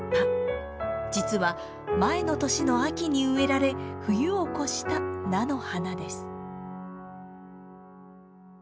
実は前の年の秋に植えられ冬を越した菜の花です。